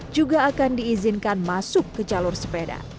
juga akan diizinkan masuk ke jalur sepeda